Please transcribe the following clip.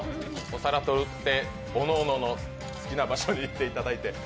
お皿取って、おのおののすきな場所に行っていただいて。